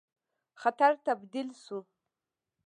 خطر تبدیل شو.